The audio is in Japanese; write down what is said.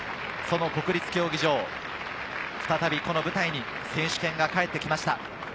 その国立競技場、再びこの舞台に選手権が帰ってきました。